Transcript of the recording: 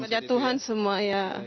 berjatuhan semua ya